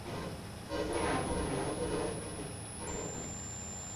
塞尔证明了这个定理的代数版本。